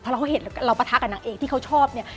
เราเขาเห็นเราปะทะกับนางเอกที่เขาชอบเนี่ย